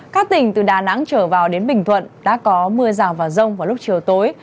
các tỉnh từ đà nẵng trở vào đến bình thuận đã có mưa rào và rông vào lúc chiều tối